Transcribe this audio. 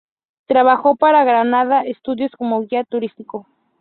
Trabajó para Granada Studios como guía turístico.